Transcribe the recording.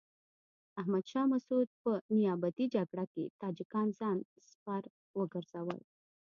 احمد شاه مسعود په نیابتي جګړه کې تاجکان ځان سپر وګرځول.